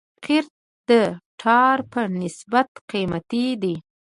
قیر د ټار په نسبت قیمتي دی